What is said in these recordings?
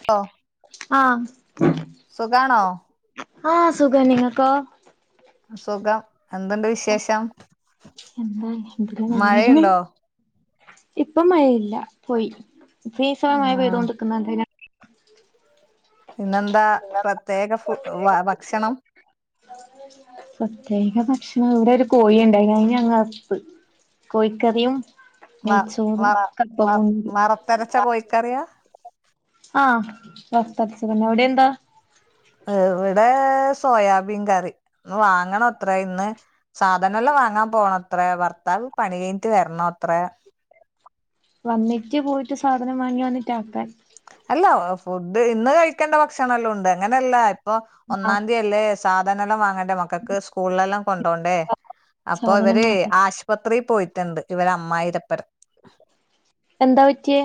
[inaudible] ആഹ് സുഖാണോ ആഹ സുഖ നിങ്ങക്കോ. അസുഖം എന്തുണ്ട് വിശേഷം. എന്താ എ മഴയുണ്ടോ ഇപ്പൊ മഴയില്ല പോയി. ഫീസവമായി പ്ത ആഹ് കൊണ്ടിക്കുന്ന. ഇന്നെന്താ പ്രത്യേക ഫ ഭക്ഷണം. പ്രത്യേക ഭക്ഷണം ഇവിടെ ഒരു കോയിുണ്ടായി കഴിഞ്ഞ അങ്പ്പ്. കോഴിക്കറിയും നെയ്ച്ചോറും കപ്പ. തെരച്ച കോഴിക്കറിയ. ആഹ് ബസ്തച്ചന്നെ എവിടെ എന്താ. ഇവിടെ സോയാബീൻ കറി വാങ്ങണ അത്ര ഇന്ന്ധ [unintelligible] അതെല്ലാം വാങ്ങാൻ പോകണ അത്രേ ഭർത്താവ് പണി കഴിഞ്ഞിട്ട് വരണോ അത്ര. വന്നിട്ട് പോയിട്ട് സാധനം വാങ്ങി വന്നിട്ട് ആാക്കാൻ. അല്ല ഫുഡ് ഇന്ന് കഴിക്കേണ്ട ഭക്ഷണ എല്ലാം ഉണ്ട് അങ്ങനെയല്ല ഇപ്പൊ ഒന്നാം തീയല്ലേ. സാധനെല്ലാം വാങ്ങണ്ടേ മക്കൾക്ക് സ്കൂളിലെല്ലാം കൊണ്ടോണ്ടേ അപ്പൊ ഇവ സാധനം വാങ്ങി [unintelligible] ഇപ്പ അത്രയും പോയിട്ടുണ്ട് ഇവരെ അമ്മായി ഇരപ്പുരം. എന്താ പറ്റിയ.?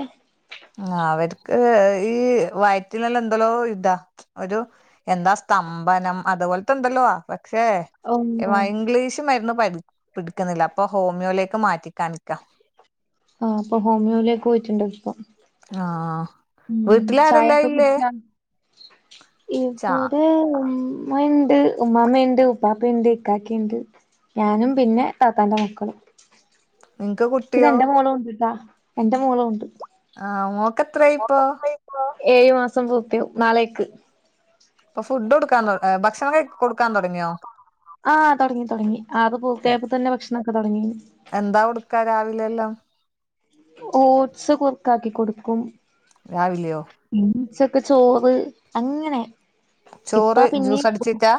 ആ അവർക്ക് ഈ വയറ്റിനല്ല എന്തല്ലോ ഇതാ ഒരു. എന്താ സ്തംഭനം അതുപോലത്ത ഉണ്ടല്ലോ പക്ഷേ? ഓ ഇംഗ്ലീഷമായിരുന്നു പിടിക്കുന്നില്ല അപ്പൊ ഹോമിയോയിലേക്ക് മാറ്റി കാണിക്കാം. ആഹ് അപ്പൊ ഹോമിയോയിലേക്കക്ക് പോയിട്ടുണ്ട് ഇപ്പം. ആഹ് ഉം, വീട്ടിലാരെല്ലാം ചായൊക്കെ കു ഇല്ലേ [unintelligible] ചാ ഇവിടെ ഉ. അമ്മ ഉണ്ട് ഉമ്മാമ്മയ ഉണ്ട് ഉപ്പാപ്പുണ്ട് ഇക്കാക്കിയുണ്ട് ഞാനും പിന്നെ താത്താ്ന്റെ മക്കളും. നിങ്ങക്ക് പിന്നെ കുട്ടിയോ എന്റെ മോള ഉണ്ട്ട്ടാ എൻന്റെ മോള ഉണ്ട്. ആഹ മോക്ക് എത്രയായി ഇപ്പോൊ. ഏഴു മാസം പൂപ്പയു നാളേക്ക്. അപ്പൊ ഫുഡ് കൊടുക്കാൻ ഭക്ഷണം ക കൊടുക്കാൻ തുടങ്ങിയോ. ആഹ് തുടങ്ങി തുടങ്ങി അത് എ- പൂർത്തയപ്പ തന്നെ ഭക്ഷണംൊക്കെ തുടങ്ങി. എന്താ കൊടുക്കാ രാവിലെ എല്ലാം. ഓട്്സ് കൊർക്ക ആാക്കി കൊടുക്കും. രാവില്ലയോ. ഇമ്മച്ചൊക്കെ ചോറ്, അങ്ങനെ ചോറ് ഇപ്പ പിന്നിം ജ്യൂസ് അടിച്ചിട്ടാ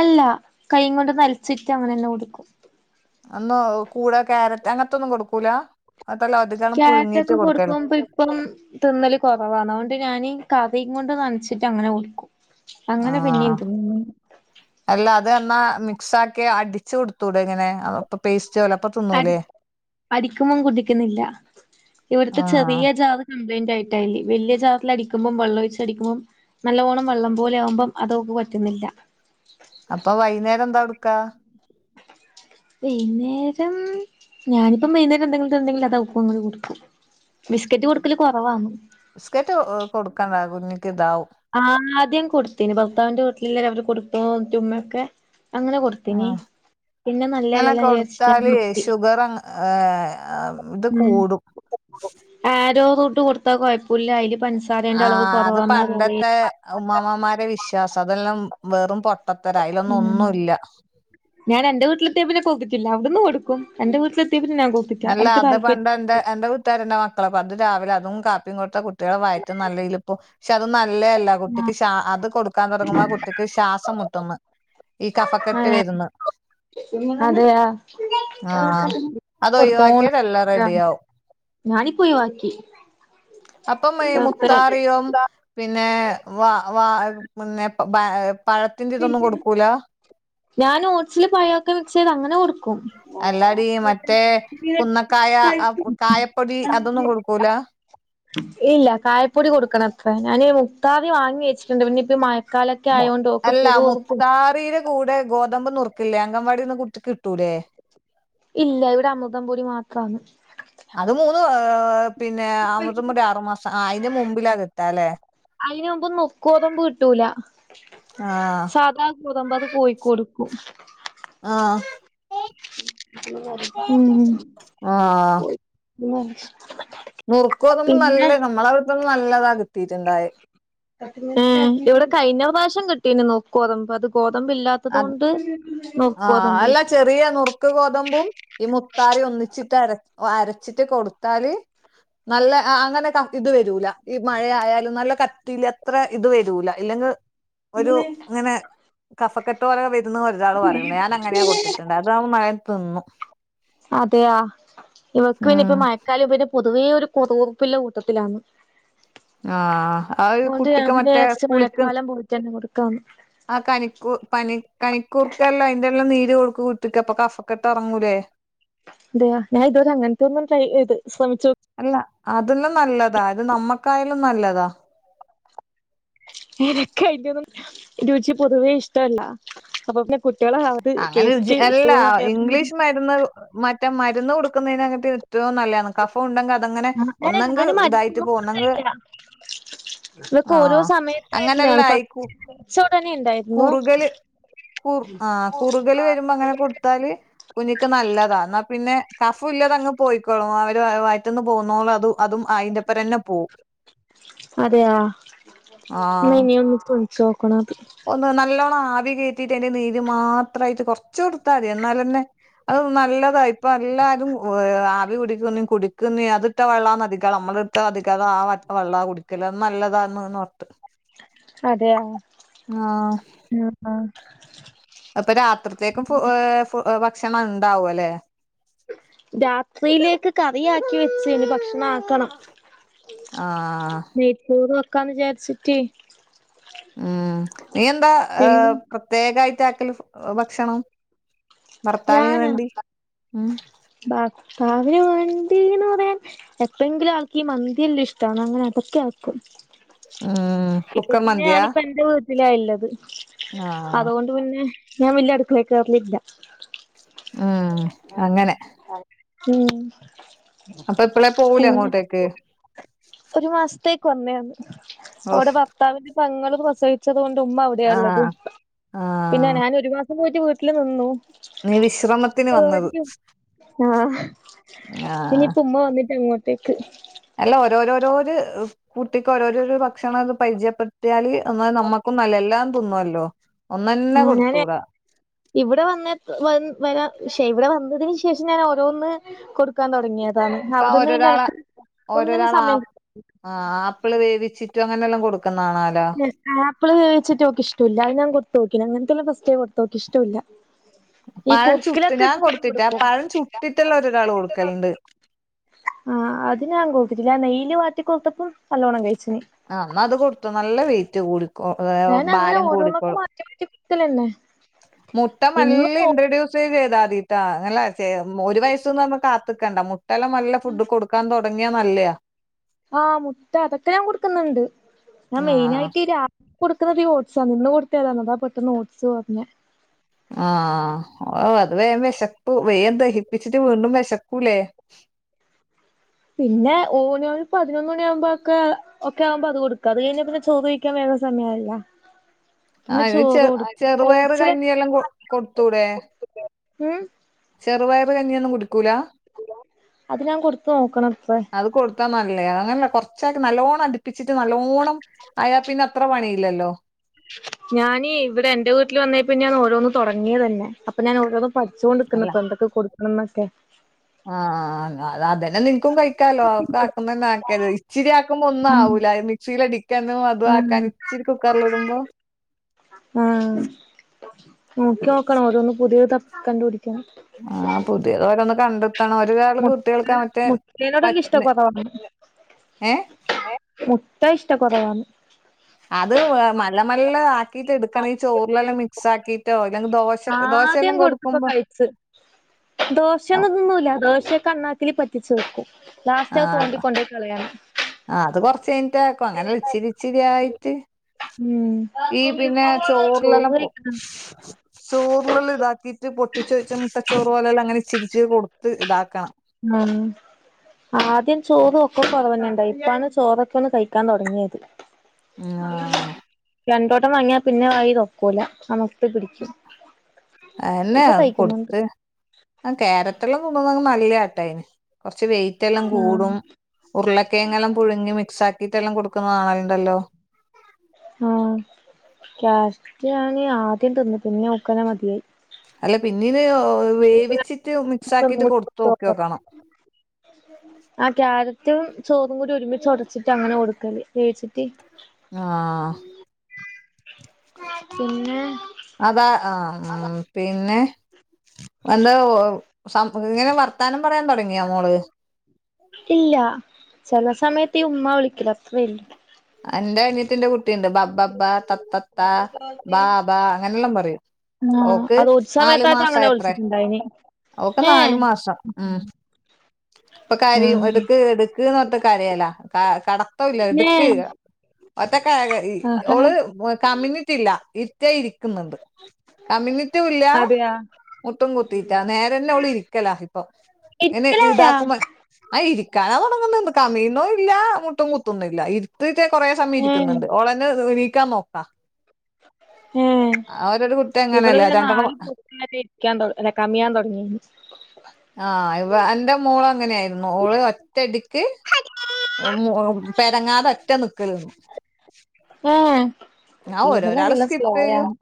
അല്ലാ, കൈങ്ങൊണ്ട് നൽച്ചിട്ട് അങ്ങനെന്നെ കുടിക്കും. അന്ന് കൂടെ ക്യാരറ്റ് അങ്ങത്തൊന്നും കൊടുക്കൂലാ, അതല്ലാം അധികളം പുഴുങ്ങീട്ട് കൊടുക്കല്. പ്പം തിന്നല് കൊറവാണ്. അഓണ്ട് ഞാന് കറിങ്ങൊണ്ട് നൻച്ചിട്ട് അങ്ങനെ കൊട്ക്കും. ആഹ്, അല്ല അത് എന്നാ മിക്സാക്കി അടിച്ച് കൊട് ത്തൂടെങ്ങനെ, അ അപ്പം പേസ് അ [unintelligible] അടിക്കുമ്പം കുടിക്ക്ന്നില്ല. ഇവിടുത്തെ ആഹ് ചെറിയ ജാറ് കംപ്ലയിന്റായിറ്റാല്ലെ, വെല്യ ജാർലടിക്കുമ്പം വെള്ളം ഒയിച്ചടിക്ക്മ്പം നല്ലോണം വെള്ളം പോലെയാവുമ്പം അതോക്ക് പറ്റുന്നില്ല. അപ്പൊ വൈന്നേരം ന്താ കൊട്ക്കാ? വൈകുന്നേരം, ഞാനിപ്പം വൈന്നേരം എന്തെങ്കിലും തിന്നെങ്കിൽ അതവക്കും അങ്ങട് കൊട്ക്കും. ബിസ്ക്കറ്റ് കൊട്ക്കല് കൊറവാന്ന്. ബിസ്കറ്റ് ഓ കൊട്ക്കണ്ടാ, കുഞ്ഞിക്ക് താവും. ആദ്യം കൊട്ത്തിനി. ഭർത്താവിന്റെ വീട്ടിലില്ലേരം അവര് കൊട്ത്തോ ൻ്റുമ്മയൊക്കെ. അങ്ങനെ കൊട്ത്തിനീ. ആഹ് പിന്നെ നല്ലല്ലല്ലാം വിചാര്ച്ചിട്ട് നർത്തി. ആ ഏ ആ ത് ഉം കൂടും. ആരോ റൂട്ട് കൊടുത്താ കൊഴപ്പൂല്ല്യ, അയില് പൻസാരേന്റെ അളവ് കുറവാന്നാ പറ [unintelligible] അഅ് ഉമ്മാമ്മമാരെ വിശ്വാസാ, അതെല്ലാം വെറും പൊട്ടത്തരാ, അയിലൊന്നും ഒന്നുല്ല്യ. ഞാനെന്റെ വീട്ടിലെത്തിയാപിന്നെ കൊക്കത്തില്ല. അവിട്ന്ന് കൊട്ക്കും. എന്റെ വീട്ടിലെത്തിയാ പിന്നെ ഞാൻ കൊ അല്ലാ, അത് പണ്ടെന്റെ എന്റെ വ് തരന്റെ മക്കള, അപ്പോ അത് രാവിലെ അതും കാപ്പിയും കൊട്ത്ത കുട്ട്യേളെ വായറ്റും നല്ലരീയില് [unintelligible] ക്ഷെ, അതും നല്ലേല്ല. കുട്ടിക്ക് ശാ അത് കൊട്ക്കാൻ തെടങ്ങുമ്പോ കുട്ടിക്ക് ശ്വാസം മുട്ടുന്ന്. ഈ കഫക്കെട്ട് ആഹ് വെര്ന്ന്. അതെയാ ആഹ്! കൊടുത്തോണ്ട് അതൊഴിവാക്കിയാതെല്ലാം റെഡിയാവും. ഞാനിപ്പോ ഒഴിവാക്കി അപ്പം ഈ മുത്താറിയോം, പിന്നേ വ വാ പിന്നെ ബ പഴത്തിൻ്റിതൊന്നും കൊട്ക്കൂലാ. ഞാനോട്സില് പഴൊക്കെ മിക്സെയ്ത് അങ്ങനെ കൊട്ക്കും. അല്ലാടീ, മറ്റേ കുന്നക്കായ, അ കായപ്പൊടി അതൊന്നും കൊട്ക്കൂലാ. ഇല്ല. കായപ്പൊടി കൊട്ക്കണത്രേ, ഞാന് മുത്താറി വാങ്ങി വെച്ചിട്ട്ണ്ട്. പിന്നെ മയ മൊ എല്ല മുത്താറിടെ കൂടെ ഗോതമ്പ് നുറുക്കില്ലേ അങ്കൻവാടീന്ന് കുട്ടി കിട്ടൂലേ? ഇല്ല ഇവിടെ അമൃതം പൊടി മാത്രാന്ന് അത് മൂന്ന്ഏ പിന്നെ അമൃത്തം പൊടി ആറുമാസം ആ അയിന്റെ മുമ്പില അയിന് മുമ്പ് നുക്കോദബ്ബ് കിട്ടൂല ആഹ് സാധാ കൂതബ്ബ് അത് കോയിക്കൊടുക്കും ആഹ് ന്ന് നോൽമ്പാ. ഉം. ആഹ് ഉം നുർക്കോതബ് നല്ല നമ്മള അവിടുത്തൊന്നും നല്ലതാ കിട്ടീട്ട് ണ്ടായേ ഏ ഇവിടെ കഴിഞ്ഞ പ്രാസ്യം കിട്ടീനു ന്നു ഗോതമ്പ് അത് ഗോതമ്പ് ഇല്ലാത്തത് അത് കൊണ്ട് ആഹ് നുക്കോതമ്പ് അല്ല കിട്ടി. ചെറിയ ന്നുർ ക്ക് ഗോതമ്പും ഈ മുത്താറി ഒന്നിച്ചിട്ട് അര അരച്ചിട്ട് കൊടുത്താൽ നല്ല അ ഹ അങ്ങനെ ക ഇത് വരൂല ഈ മഴയാലും നല്ല കത്തിൽ അത്ര ഇത് വരൂല ഇല്ലെങ്കി ഒരു ഇങ്ങനെ കഫക്കെട്ട് പോലെ വരുന്ന ഒരാള് ഞാൻ അങ്ങനെയാ കൊടുത്തെ മയ തിന്നു അതെയ ഇവക്ക് പിന്നെ ഇപ്പ ഉം മഴക്കാല പിന്നെ പൊതുവേ ഒരു കൊതുവുർപ്പില്ല കൂട്ടത്തിലാണ് ആഹ അഹ് അതുകൊണ്ട് ഞാൻ കുട്ടിക്ക് പിന്നെ മറ്റേ വിചാരിച്ച് സ്കുളിക്ക്. മഴക്കാലം പോയിട്ടന്നെ കൊടുക്കാന്ന് ആ കനികു പനി കനിക്കൂർകൽ അയിന്റെ എല്ലാം നീര് കൊട്ക് കുട്ടി ക് പ്പം കഫകെട്ട് ഇറങ്ങൂലേ. അതെയാ ഞാൻ ഇതുവരെ അങ്ങനത്തെ ഒന്നും ട്രേ എയ്ത് ശ്രമിച്ചു അല്ല അതല്ലാം നല്ലതാ അത് നമ്മക്കായാലും നല്ലതാ എനിക്ക്‌ അയിന്റോന്നും രുചി പൊതുവേ ഇഷ്ടല്ല അപ്പൊ പിന്നെ കുട്ടികളെ അത് കേസ്റ്റ് ഇഷ്ടോ അറിയാത്ത ഹ് ഹ് ക്ന്നഉ മറ്റ മരുന്ന് കൊടുക്കുന്നതിനങ്ങട്ട് ഏറ്റവും നല്ലയാണ് കഫ ഉണ്ടെങ്കെ അതങ്ങനെ അങ്ങനെ ഒന്നെങ്ക് ഞാന് ഇതായിട്ട് മരുന്നൊന്നും പോന്നെങ്ക് കൊടുക്കലില്ല ഇതൊക്കെ ഓരോ സമയത്ത് വര്ല്ല ഫസ് ച്ചുടനെണ്ടായി കുറുകൽ കു ആ കുറുകൽ വരുമ്പോ അങ്ങനെ കൊടുത്താല്. കുഞ്ഞിക്ക് നല്ലതാ ന്നാ പിന്നെ കഫു ഇല്ലതങ്ങ് പോയിക്കോളും അവര് വയറ്റിന്ന് പോകുന്നോള അതു അതും അയിന്റെപ്പര തന്നെ പോവും ആഹ് [inaudible] ചോക്കണാപ്പി ഒന്ന് നല്ലോണം ആവി കേറ്റീട്ട് അയിന്റെ നീര് മാത്രയിട്ട് കൊറച്ച് കൊടുത്താ മതി എന്നാലന്നെ അത് നല്ലതാ ഇപ്പ എല്ലാരും വേ ഏ ആവി കുടിക്കുന്ന കുടിക്കുന്ന യാ അത് ഇട്ട വെള്ളംന്ന് നധിക്കാ നമ്മള ഇടുട്ട നതിക്കാതെ ആ വെള്ളം കുടിക്കല്ല് നല്ലതാണോട്ട് അതെയാ ആഹ് ആഹ് അപ്പൊ രാത്രിത്തേക്കും ഫുഹെ ഫു ഭക്ഷണം ഉണ്ടാവും അല്ലെ രാത്രിയിലേക്ക് കറിയാക്കി വെച്ചിനി ഭക്ഷണം ആക്കണം ആഹ് നൈച്ചോർ വക്കാന്ന് വിചാരിച്ചിട്ടേ ഉം നീ എന്താ പിന്നെ ഏഹ് പ്രത്യേകായിട്ട് ആക്കൽ ഭക്ഷണം ഭർത്താവിന് വേണ്ടി ഉം ഭാർത്താവിന് വേണ്ടീന്ന് പറയാൻ എപ്പഴെങ്കിലും ആൾക്കീ മന്തില്ലും ഇഷ്ടാന്ന്. അങ്ങനെ അതൊക്കെ ആക്കും. ഉം ഇപ്പൊ കുക്കർ പിന്നെ മന്തിയാ നാനിപ്പോ എന്റെ വീട്ടിലാ ഇള്ളത്. ആഹ് അതുകൊ മുന്നെ ഞാൻ വല്യാ അടുക്കളെകേറലില്ല ഉം അങ്ങനെ ഉം അപ്പൊ ഇപ്പളേ പോവൂലേ പിന്നെ അങ്ങോട്ടേക്ക് ഒരു മാസത്തേക്ക് വന്നെയാന്ന് അവിടെ ഓഹ് ഭർത്താവിന്റെ പങ്ങൾ പ്രസവി ഉച്ചതുകൊണ്ട് ഉമ്മ ആഹ് അവിടെയാള്ളത് പിന്നെ ആഹ് ഞാൻ ഒരു മാസം പോയിട്ട് വീട്ടിൽ നിന്നു നീ വിശ്രമത്തിന് വന്നത് ആഹ് ആഹ് ഇനിപ്പം ഉമ്മ വന്നിട്ട് അങ്ങോട്ടേക്ക് അല്ല ഓരോരോരോര് കുട്ടിക്ക് ഓരോരോരോ ഭക്ഷണം ഒക്കെ പരിചയപ്പെ [unintelligible] യാല് എന്നാ നമ്മക്കും നല്ലാ. എല്ലാം തിന്നോല്ലോ. ആ, ഞാന് ഇവിടെ വന്നത് വന്ന് വരാ ശ്ശെ! ഇവിടെ വന്നതിന് ശേഷം ഞാന് ഓരോന്ന് കൊട് കാൻ തൊടങ്ങിയതാണ്. ഇപ്പൊ അവിടുന്ന് പിന്നെ ഓരോരാളെ എനക്ക് ഒന്നിനും ഓരോരാള് സമയം കി ആ ആപ്പ്ള് വേവിച്ചിട്ട് അങ്ങനെല്ലാം കൊട്ക്ക്ന്നാണാലോ. ആപ്പ്ള് വേവിച്ചിട്ട് ഓക്ക് ഇഷ്ടൂല്ല. അത് ഞാൻ കൊട്ത്തോക്കി. അങ്ങനത്തെള്ള ഫസ്റ്റ് ടൈം കൊട്ത്തൂക്കി ഇഷ്ടൂല്ല. ഈ പഴം ചുട്ട് കുറ്ക്കിലൊക്കെ ഞാൻ [unintelligible] കൊടുത്തിട്ടാ കൊട്ക്കും. പഴം ചുട്ടിട്ടെല്ലാം ഒരാള് കൊടുക്കലുണ്ട് ആ അത് ഞാൻ കൊട്ത്തിട്ടില്ല. നെയില് വാട്ടി കൊട്ത്തപ്പം നല്ലോണം കഴിച്ചിനി. ആഹ്, ന്നാ ത് കൊട്ത്തോ നല്ല വെയിറ്റ് കൂടിക്കോ ഏ ഭാരം കൂടിക്കോളും. സി തിലെന്നെ മുട്ട മല്ലി ഇൻട്രൊഡ്യൂസ് ചെയ്താതീട്ടാ. അല്ല, ചെ ഒരു വയസ്സ്ന്ന് കാ ട്ക്കണ്ട. മുട്ടല്ലം നല്ല ഫുഡും കൊടുക്കാൻ തെടങ്ങിയാ നല്ലെയാ. ആ മുട്ട, അതൊക്കെ ഞാൻ കൊട്ക്ക്ന്ന്ണ്ട്. ഞാൻ ആഹ് മെയിനായിട്ടീ രാ കൊട്ക്ക്ന്നധികം ഓട്സാന്ന്. ഇന്ന് കൊടുത്തയതാന്ന്. അതാ പെട്ടെന്ന് ഓട്സ് പർഞ്ഞെ. ആഹ്‌, ഓ അത് വേം വെശപ്പ് വേം ദഹിപ്പിച്ചിട്ട് വീണ്ടും വെശക്കൂലേ? പിന്നെ ഓനൊരു പതിനൊന്ന് മണിയാകുമ്പോക്കെ ഒക്കെ ആവുമ്പോ അത് കൊടുക്ക അത് കഴിഞ്ഞ പിന്നെ ചോറ് കഴിക്കാൻ വേറെ സമയായല്ല ആ അത് ചെ ചെറുപയറ് ഓട്സില് കഞ്ഞിയെല്ലം കൊ കൊടുത്തൂടെ ഉം ചെറുപയർ കഞ്ഞിയൊന്നും കുടിക്കൂല അത് ഞാൻ കൊടുത്ത നോക്കണത്ര അത് കൊടുത്താ നല്ലയാ അങ്ങനെയല്ല കൊറച്ചായി നല്ലോണ്ണം അടിപ്പിച്ചിട്ട് നല്ലോണ്ണം അയാ പിന്നെ അത്ര പണിയില്ലല്ലോ ഞാനീ ഇവിടെ എന്റെ വീട്ടിൽ വന്ന പിന്നെ ഞാൻ ഓരോന്ന് തുടങ്ങിയത് തന്നെ അപ്പൊ ഞാൻ ഓരോ പഠിച്ചോണ്ട്ക്കുന്ന് അല്ല ഇപ്പൊ എന്തൊക്കെ കൊടുക്കണന്നൊക്കെ ആഹ് അത് അതന്നെ നിനക്കും കഴിക്കാലോ ഒക്കെ ആക്കുന്ന തന്നെ ആക്കിയത് ഇച്ചിരിയാക്കുമ്പോ ഒന്നും ആവൂല സീലടിക്കന്നു അതു ആഹ് ആക്കാൻ ഇച്ചിരി കുക്കറൽ ഇടുമ്പോ ആഹ് നോക്കി നോക്കണം ഓരോന്ന് പുതിയ ത കണ്ടുപിടിക്കണം ആഹ് പുതിയത് ഓരന്ന് കണ്ടി ത്തണം ഒരു കാള് മുട്ട കുട്യേൾക്ക് അ മറ്റേ പ മുട്ടേനോടുള്ള [unintelligible] ഇഷ്ടക്കുറവാണ് ഏഹ് മുത്ത ഇഷ്ട കുറവാണ് അത് വാമ ള്ള മല്ല ആക്കിയിട്ട് എടുകണേ ചോറിലെല്ലാം മിക്സ് ആക്കിയിട്ടോ ഇല്ലെങ്കി ദോശക് ദോശയെല്ലം കൊടുക്കുമ്പോ ദോശ ആ ഒന്നും തിന്നൂല്ല ദോശക്കെ അണ്ണാക്കില് പറ്റിച്ചു വെക്കും ലാസ്റ്റ് അത് തോണ്ടിക്കൊണ്ട് കളയാൻ ആഹ് അത് കൊറച്ച് കഴിഞ്ഞിട്ടാക്കും അങ്ങനെ ഇച്ചിരി ഇച്ചിരി ആയിട്ട് ഉം ഈ പിന്നെ ചോറ് ചോറിലെല്ലാം പോ കഴിക്കണം ചോറിലെല്ലം ഇതാക്കിയിട്ട് പൊട്ടിച്ച് വെച്ച മുട്ടച്ചോറ് പോലെല്ലാം അങ്ങനെ ഇച്ചിരിച്ച് കൊടുത്ത് താക്കണം ഉം ആദ്യം ചോറും ഒക്കെ കോ റവന്നണ്ടയി ഇപ്പാണ് ചോറൊക്കെ ഒന്ന് കയിക്കാൻ തുടങ്ങിയത്. ഉം, ആ രണ്ടോട്ടം വാങ്ങിയാ പിന്നെ വായി നോക്കൂല അമുക്ക് അഎന്നെ ഇപ്പൊ കഴിക്കുന്നുണ്ട് കൊടുത്ത് അ ക്യാരറ്റെല്ലം തിന്നിന്നത് നല്ല ആട്ടായിന് കൊറച്ച് വെയിറ്റ് എല്ലാം ആഹ് കൂടും ഉരുളക്കേങ്ങല്ലാം പുഴുങ്ങി മിക്സാക്കിട്ട്ല്ലാം കൊടുക്കുന്നതാണലുണ്ടല്ലോ ആഹ് ക്യാരറ്റ് വാങ്ങി ആദ്യം തിന്ന് പിന്നെ ഓക്കെന്നെ മതിയായി അല്ല പിന്നീന് വേവിച്ചിട്ട് മിക്സ് ആക്കിട്ട് ഒന്നുകൂടി കൊടുത്തു നോക്കിയോക്കണം ആഹ് ക്യാരറ്റും ചോറും കൂടി ഒരുമിച്ച് ഉടച്ചിട്ട് അങ്ങനെ കൊടുക്കല് വേച്ചിട്ട് ആഹ് പിന്നെ അതാ ആഹ് അ ഉം പിന്നെ വന്നോ സം ഇങ്ങനെ വർത്താനം പറയാൻ തുടങ്ങിയാ മോള് ഇല്ല ചെല സമയത്ത് ഈ ഉമ്മ വിളിക്കല് അത്രേ [unintelligible] എന്റെ അനിയത്തിന്റെ കുട്ടിയുണ്ട് ബബ്ബബ്ബ തത്തത്ത ബാബ അങ്ങനെയല്ലാം പറയും ആ ഓക്ക് അത് ഒരു നാലു സമയത്തായിട്ട് മാസം അങ്ങനെ എത്ര വിളിച്ചിട്ടുണ്ടായിനി ഓക്ക് ഏ നാലു മാസം ഉം, ഇപ്പൊ ആ കരിയും എടുക്ക് എട് ഏ [unintelligible] [unintelligible] ആഹാ ഓള് കമ്ഞ്ഞിട്ടില്ല ഇര്തിയ ഇര്ക് ക്ന്നുണ്ട് കമ്ഞ്ഞിട്ടൂല്യാ അതെയാ മുട്ടും കുത്തീറ്റാ നേരന്നെ ഉള് ഇരിക്കലാ ഇപ്പം എ ന്നെ ഇരിക്കലായാ ഇതാക്കുമ്പോ ആ ഇരിക്കാനാ തുടങ്ങുന്നുണ്ട് കമീന്നോ ഇല്ല മുട്ടും കുത്തുന്നും ഇല്ല ഇര് തീറ്റ കൊറേ സമയം ഏ ഇരിക്കുന്ന്ണ്ട് ഓളന്നെ നീക്കാൻ നോക്കാംആ ഏ അതോരു കുട്ടെ ഇവള് പിന്നെ നാലു [unintelligible] ഇരിക്ക്യാൻ തൊട് അല്ല കമിയാൻ തൊട്ങ്ങി. ആ ഇവ എന്റെ മോള് അങ്ങനെയായിരുന്നു ഓള് ഒറ്റടിക്ക് ഉം പെരങ്ങാതെ ഒറ്റ നിക്കലുന്നു ഏ ഒരു ഒരാള് ഇവളെല്ലാം സ്കിപ്യ്യു സ്ലോയാണ്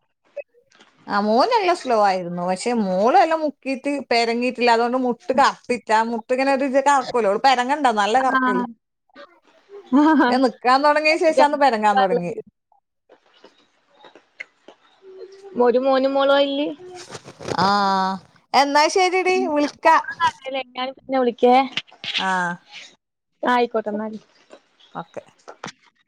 അ മോന് നല്ല സ്‌ലോആയിരുന്നു പക്ഷെ മോളെലോം മുക്കീയിട്ട് പേരങ്ങിട്ട് ട്ട് അപ്പിട്ടാ മുട്ട് ഇങ്ങനെ ഒരു കറക്കോലോ പരങ്ങണ്ടാനല്ല കറക്കല് ഹ്അ ആഹ് ഞാൻ നിക്കാൻ തുടങ്ങിയ ശേഷാന്ന് പെരങ്ങാൻ തുടങ്ങി ഒരു മോനും മോളുവാ ഇല്ലേ? ആ എന്നാ ശരിടി വിളിക്കാ ഇന്നാല് എഞാൻ പിന്നെ വിളിക്കേ ആഹ് ആയിക്കോട്ടെ ന്നാല് ഒക്കെ